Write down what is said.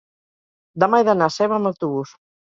demà he d'anar a Seva amb autobús.